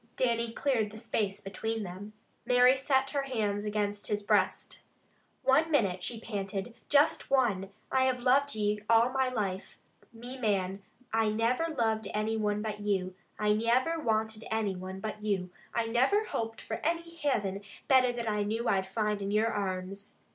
Dannie cleared the space between them. Mary set her hands against his breast. "One minute," she panted. "Just one! I have loved you all me life, me man. I niver loved any one but you. I niver wanted any one but you. I niver hoped for any Hivin better than I knew I'd find in your arms.